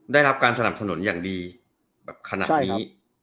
ได้รับการสนับสนุนอย่างดีแบบขนาดนี้